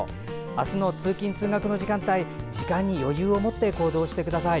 明日の通勤・通学の時間帯時間に余裕を持って行動してください。